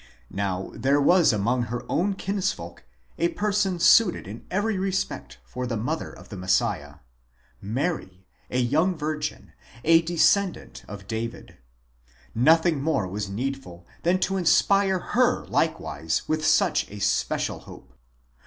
Now there was among her own kinsfolk a person suited in every respect for the mother of the Messiah, Mary, a young virgin, a descen dant of David; nothing more was needful than to inspire her likewise with such a special hope.